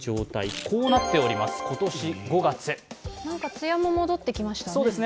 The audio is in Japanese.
つやも戻ってきましたね。